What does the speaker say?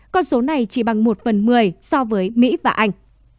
con số này chỉ bằng một phần một mươi so với mỹ và anh